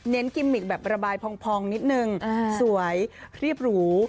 กิมมิกแบบระบายพองนิดนึงสวยรีบหรู